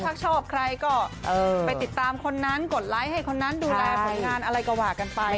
ถ้าชอบใครก็ไปติดตามคนนั้นกดไลค์ให้คนนั้นดูแลผลงานอะไรก็ว่ากันไป